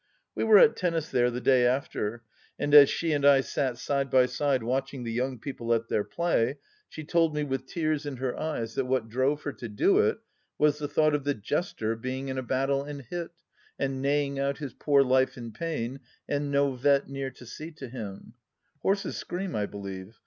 We were at tennis there the day after, and as she and I sat side by side watching the young people at their play, she told me, with tears in her eyes, that what drove her to do it, was the thought of "The Jester" being in a battle and hit, and neighing out his poor life in pain, and no vet near to see to him. (Horses scream, I believe.)